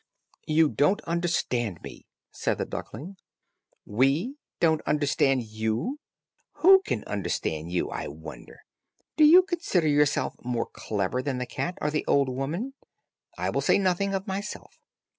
"You don't understand me," said the duckling. "We don't understand you? Who can understand you, I wonder? Do you consider yourself more clever than the cat, or the old woman? I will say nothing of myself.